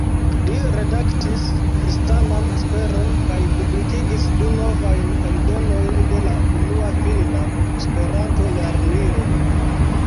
Li redaktis "Kristanan Esperon" kaj publikigis du novajn eldonojn de la unua finna Esperanto-lernilo.